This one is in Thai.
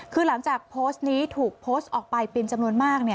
คือหลังจากโพสต์นี้ถูกโพสต์ออกไปเป็นจำนวนมาก